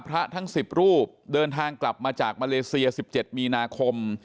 พระทั้ง๑๐รูปเดินทางกลับมาจากมาเลเซีย๑๗มีนาคม